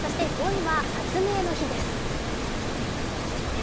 ５位は発明の日です。